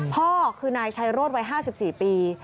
พ่อคือนายชัยโรธวัย๕๔ปี